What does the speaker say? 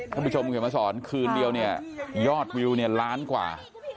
คุณผู้ชมอย่ามาสอนคืนเดียวยอดวิวล้านกว่า